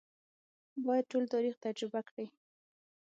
باید ټول تاریخ تجربه کړي.